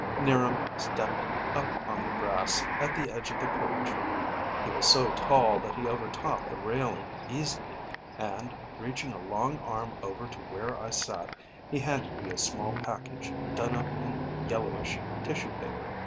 'Niram stepped up on the grass at the edge of the porch. He was so tall that he overtopped the railing easily, and, reaching a long arm over to where I sat, he handed me a small package done up in yellowish tissue paper.